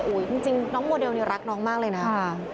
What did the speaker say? จริงน้องโมเดลนี่รักน้องมากเลยนะ